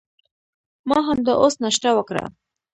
ما همدا اوس ناشته وکړه.